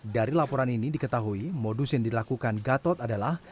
dari laporan ini diketahui modus yang dilakukan gatot adalah